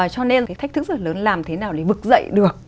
cho nên cái thách thức rất là lớn là làm thế nào để vực dậy được